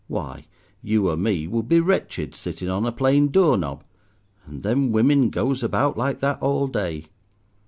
Why, you or me would be wretched, sitting on a plain door knob, and them women goes about like that all day.